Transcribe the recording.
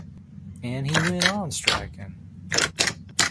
And he went on striking.